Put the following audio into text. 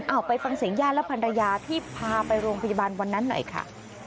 เอาไปฟังเสียงญาติและภรรยาที่พาไปโรงพยาบาลวันนั้นหน่อยค่ะ